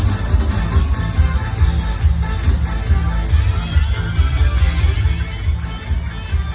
สุดสึงของสุดท้ายดิฉันดิฉันดิฉันยังไม่ยินไหว